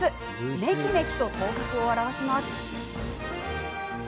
めきめきと頭角を現します。